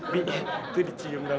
bi tuh dicium dong